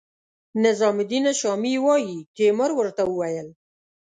نظام الدین شامي وايي تیمور ورته وویل.